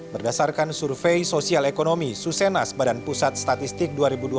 berdasarkan survei sosial ekonomi susenas badan pusat statistik dua ribu dua puluh